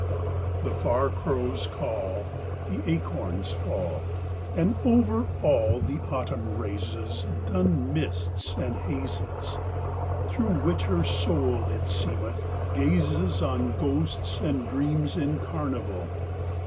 The far crows call; The acorns fall; And over all The Autumn raises Dun mists and hazes, Through which her soul, it seemeth, gazes On ghosts and dreams in carnival.